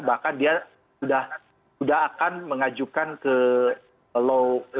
bahkan dia sudah akan mengajukan ke low legal exchange